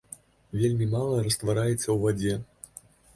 Вельмі мала раствараецца ў вадзе.